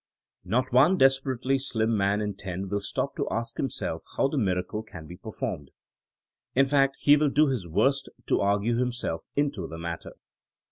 Not one desperately slim man in ten will stop to ask himself how the. miracle can be performed. In fact, he will do his worst to argue himself into the matter.